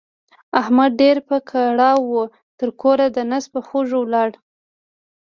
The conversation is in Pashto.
احمد ډېر په کړاو وو؛ تر کوره د نس په خوږو ولاړ.